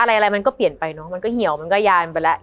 อะไรมันก็เปลี่ยนไปเนอะมันก็เหี่ยวมันก็ยายมันไปแล้ว